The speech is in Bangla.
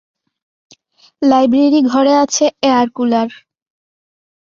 লাইব্রেরি ঘরে আছে এয়ার কুলার।